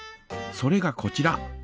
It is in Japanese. それがこちら。